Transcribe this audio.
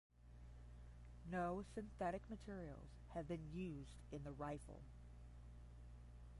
No synthetic materials have been used in the rifle.